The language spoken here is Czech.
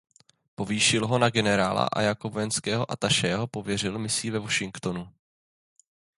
Povýšil ho na generála a jako vojenského atašé ho pověřil misí ve Washingtonu.